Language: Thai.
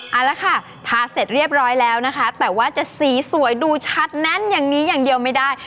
เอาละค่ะทาเสร็จเรียบร้อยแล้วนะคะแต่ว่าจะสีสวยดูชัดแน่นอย่างนี้อย่างเดียวไม่ได้